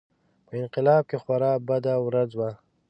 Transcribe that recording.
په انقلاب کې خورا بده ورځ وه.